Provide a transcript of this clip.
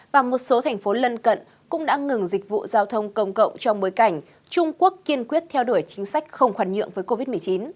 và một số thành phố lân cận cũng đã ngừng dịch vụ giao thông công cộng trong bối cảnh trung quốc kiên quyết theo đuổi chính sách không khoan nhượng với covid một mươi chín